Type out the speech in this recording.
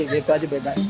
jadi itu aja bedanya